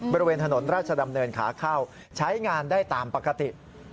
บริเวณถนนราชดำเนินขาเข้าใช้งานได้ตามปกติ